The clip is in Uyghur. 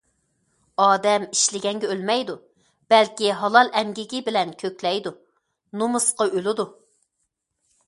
ئادەم ئىشلىگەنگە ئۆلمەيدۇ، بەلكى ھالال ئەمگىكى بىلەن كۆكلەيدۇ، نومۇسقا ئۆلىدۇ.